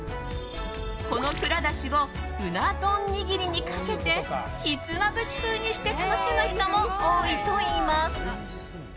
この、くら出汁をうな丼にぎりにかけてひつまぶし風にして楽しむ人も多いといいます。